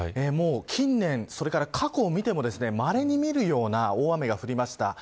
近年、また過去を見てもまれに見るような大雨が降りました。